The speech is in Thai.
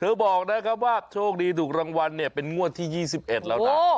บอกนะครับว่าโชคดีถูกรางวัลเนี่ยเป็นงวดที่๒๑แล้วนะ